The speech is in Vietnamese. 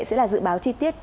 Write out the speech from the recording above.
sẽ là dự báo chi tiết